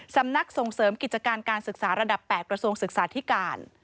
สำนักส่งเสริมกิจการการศึกษาระดับ๘กระทรวงศึกษาธิการ